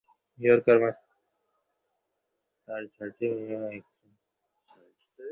তাঁর চার মেয়ে ও এক ছেলে।